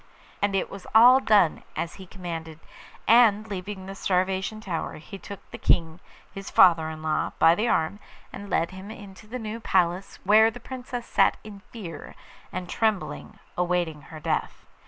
And it was all done as he commanded, and, leaving the Starvation Tower, he took the King, his father in law, by the arm, and led him into the new palace, where the Princess sat in fear and trembling, awaiting her death.